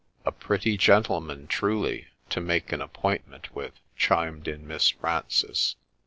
4 A pretty gentleman, truly, to make an appointment with,' chimed in Miss Frances.